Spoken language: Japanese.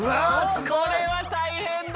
これは大変だ。